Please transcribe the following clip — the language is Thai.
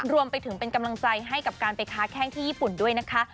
รวมไปถึงเป็นกำลังใจให้กับการไปค้าแข้งที่ญี่ปุ่นด้วยนะคะ